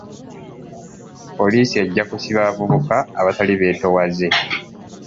Poliisi ejja kusiba abavubuka abatali beetoowaze.